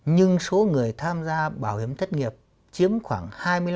nhưng số người tham gia bảo hiểm thất nghiệp chiếm khoảng hai mươi năm hai mươi tám